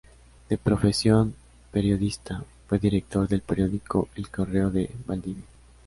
De profesión periodista, fue director del periódico "El Correo de Valdivia".